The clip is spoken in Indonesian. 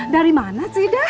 dari mana cik ida